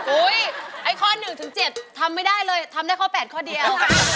ไอ้ข้อ๑ถึง๗ทำไม่ได้เลยทำได้ข้อ๘ข้อเดียว